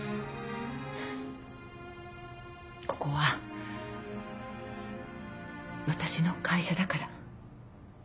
ここは私の会社だから。